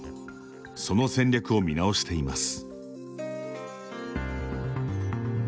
その戦略を見直しています。